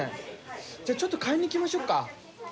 じゃあちょっと買いに行きましょうか。